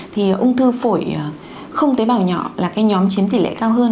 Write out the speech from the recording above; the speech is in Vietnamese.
thì ung thư phổi không tế bào nhỏ là cái nhóm chiếm tỷ lệ cao hơn